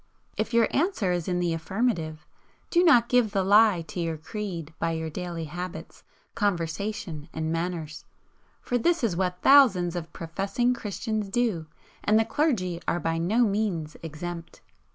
If your answer is in the affirmative, do not give the lie to your creed by your daily habits, conversation and manners; for this is what thousands of professing Christians do, and the clergy are by no means exempt.